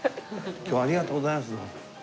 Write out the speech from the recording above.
今日はありがとうございます。